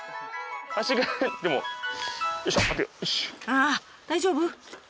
ああ大丈夫？